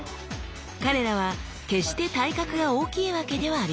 彼らは決して体格が大きいわけではありません。